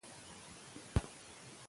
هغه د زمانشاه پر وړاندې د غچ غوښتونکی و.